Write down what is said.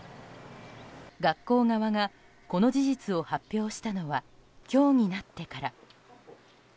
学校側が、この事実を発表したのは今日になってから。